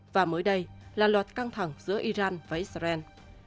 và mới đây là loạt căng thẳng giữa iran và israel